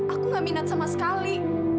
aku gak minat sama sekali